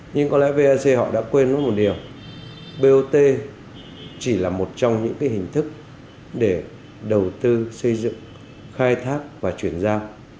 nhưng có lẽ vec họ đã quên lúc một điều bot chỉ là một trong những cái hình thức để đầu tư xây dựng khai thác và chuyển giao